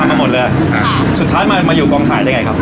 มาหมดเลยอ่าสุดท้ายมามาอยู่กองถ่ายได้ไงครับ